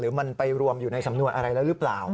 มันไปรวมอยู่ในสำนวนอะไรแล้วหรือเปล่า